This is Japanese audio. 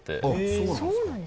そうなんですか？